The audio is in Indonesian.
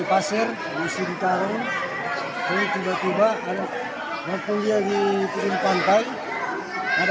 pas kita lagi ambil pasir di sini taruh ke tiba tiba anaknya punya di tim pantai ada